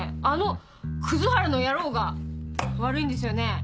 あの葛原の野郎が悪いんですよね！